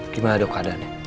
gimana dok keadaan